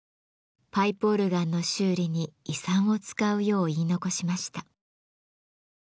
パイプオルガンの修理に遺産を使うよう言い残しました。